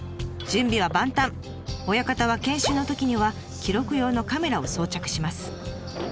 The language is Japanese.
親方は研修のときには記録用のカメラを装着します。